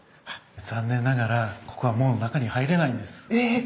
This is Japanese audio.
残念ながらここはもう中に入れないんです。え！